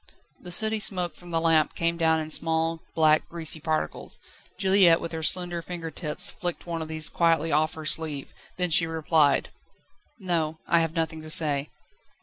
The sooty smoke from the lamp came down in small, black, greasy particles; Juliette with her slender finger tips flicked one of these quietly off her sleeve, then she replied: "No; I have nothing to say."